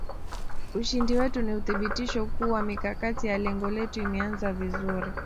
Ushindi wetu ni uthibitisho kuwa mikakati ya lengo letu imeanza vizuri